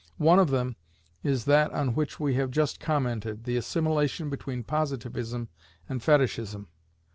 One of them is that on which we have just commented, the assimilation between Positivism and Fetishism.